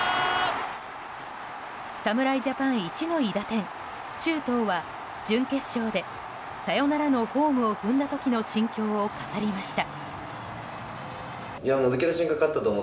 侍ジャパンいちの韋駄天周東は準決勝でサヨナラのホームを踏んだ時の心境を語りました。